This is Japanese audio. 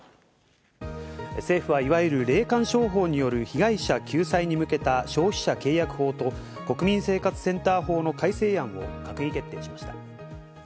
政府はいわゆる霊感商法による被害者救済に向けた消費者契約法と国民生活センター法の改正案を閣議決定しました。